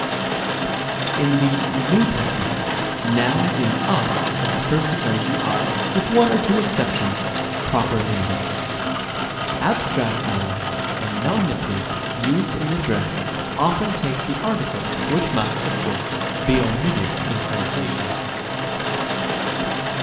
Rem. c. In the N. T., nouns in as of the first declension are, with one or two exceptions, proper names. Rem. d. Abstract nouns and nominatives used in address often take the article, which must, of course, be omitted in translation.